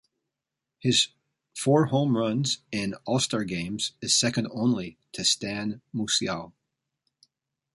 His four home runs in All-Star games is second only to Stan Musial.